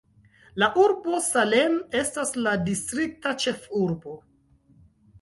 La urbo Salem estas la distrikta ĉefurbo.